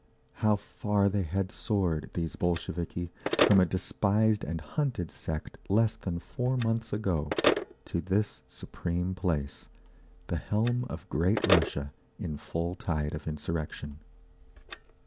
How far they had soared, these Bolsheviki, from a despised and hunted sect less than four months ago, to this supreme place, the helm of great Russia in full tide of insurrection!